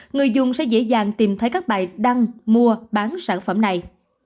người dùng sẽ dễ dàng tìm thấy các bài đăng mua bán sản phẩm này